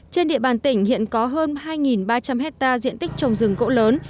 trên địa bàn tỉnh hiện có hơn hai ba trăm linh hectare diện tích trồng rừng gỗ lớn